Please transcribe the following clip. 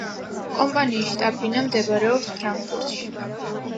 კომპანიის შტაბ-ბინა მდებარეობს ფრანკფურტში.